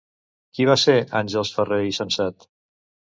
Qui va ser Àngels Ferrer i Sensat?